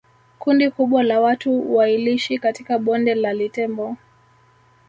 Kundi kubwa la watu wailishi katika Bonde la Litembo